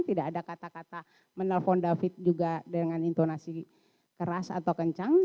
tidak ada kata kata menelpon david juga dengan intonasi keras atau kencang